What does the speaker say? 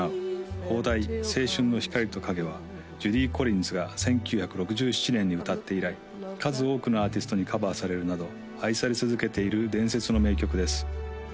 邦題「青春の光と影」はジュディ・コリンズが１９６７年に歌って以来数多くのアーティストにカバーされるなど愛され続けている伝説の名曲です